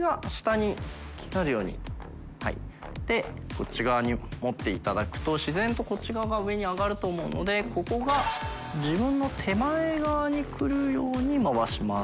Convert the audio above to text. こっち側に持っていただくと海こっち側が上に上がると思うので海海自分の手前側に来るように回します。